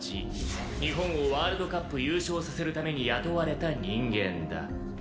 日本をワールドカップ優勝させるために雇われた人間だ。